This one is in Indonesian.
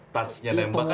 touch nya nembak kan